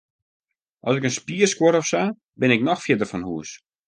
As ik in spier skuor of sa, bin ik noch fierder fan hûs.